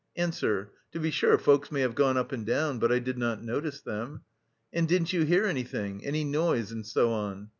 answer: 'To be sure folks may have gone up and down, but I did not notice them.' 'And didn't you hear anything, any noise, and so on?